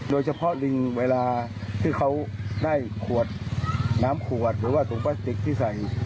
โดยเฉพาะลิงเวลาที่เขาได้ขวดน้ำขวดหรือว่าถุงพลาสติกที่ใส่